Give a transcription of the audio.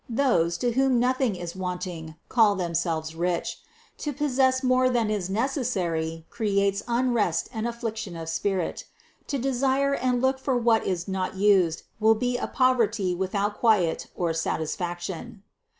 Those, to whom nothing is wanting, call themselves rich. To possess more than is necessary creates unrest and affliction of spirit ; to desire and look for what is not used will be a poverty without quiet or satisfaction.